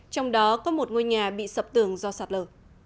trong đó có một ngôi nhà bị sập tường do sạt lở